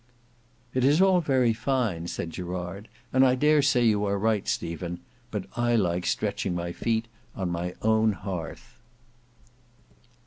"It is all very fine," said Gerard, "and I dare say you are right, Stephen; but I like stretching my feet on my own hearth."